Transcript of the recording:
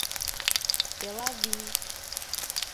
Элавий.